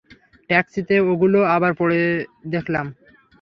ট্যাক্সিতে ওগুলো আবার পড়ে দেখলাম।